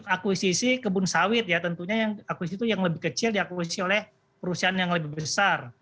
akuisisi kebun sawit ya tentunya yang akuisisi itu yang lebih kecil diakuisisi oleh perusahaan yang lebih besar